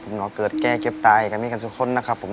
เราเกิดแก้เก็บตายกันให้กันสุดข้นนะครับ